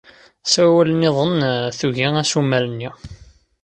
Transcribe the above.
S wawal niḍen, tugi assumer-nni.